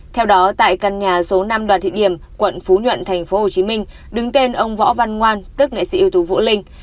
theo đó tại căn nhà số năm đoàn thị điểm quận phú nhuận tp hcm đứng tên ông võ văn ngoan tức nghệ sĩ ưu tú vũ linh